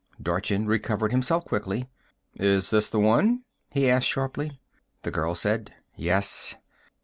Dorchin recovered himself quickly. "Is this the one?" he asked sharply. The girl said, "Yes."